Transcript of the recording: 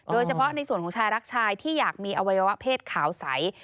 โดยเฉพาะในส่วนของชายรักชายที่อยากมีอวัยวะเพศขาวใส